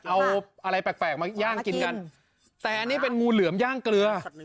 เอาอะไรแปลกมาย่างกินกันแต่อันนี้เป็นงูเหลือมย่างเกลือ